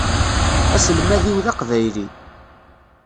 Aselmad-iw d aqbayli.